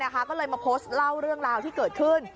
ก็เลยมาโพสต์เล่าเรื่องราวที่เกิดขึ้น